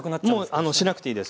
もうしなくていいです。